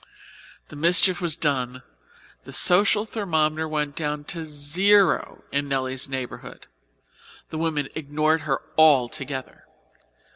The mischief was done, the social thermometer went down to zero in Nelly's neighbourhood. The women ignored her altogether.